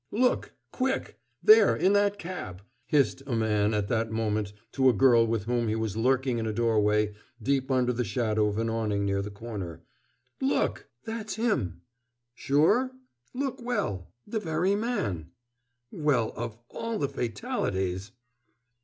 "Look! quick! There in that cab!" hissed a man at that moment to a girl with whom he was lurking in a doorway deep under the shadow of an awning near the corner. "Look!" "That's him!" "Sure? Look well!" "The very man!" "Well, of all the fatalities!"